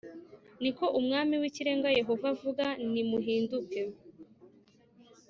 ni ko Umwami w Ikirenga Yehova avuga ni muhinduke